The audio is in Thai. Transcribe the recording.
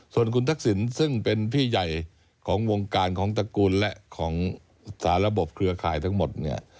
ส่วนคุณทักษิณซึ่งเป็นพี่ใหญ่ของวงการของตระกูลและของสารบเครือข่ายทั้งหมดเนี่ย